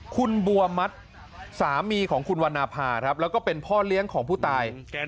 คุณบัวมัดสามีของคุณวรรณภาครับแล้วก็เป็นพ่อเลี้ยงของผู้ตาย